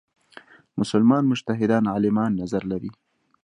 مسلمان مجتهدان عالمان نظر لري.